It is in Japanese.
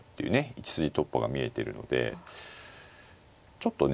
１筋突破が見えてるのでちょっとね